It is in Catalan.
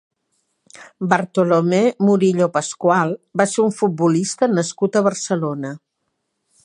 Bartolomé Murillo Pascual va ser un futbolista nascut a Barcelona.